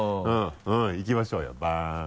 うん。いきましょうよバン。